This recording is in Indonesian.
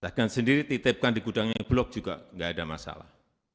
cadangan sendiri titipkan di gudangnya blok juga enggak ada masalah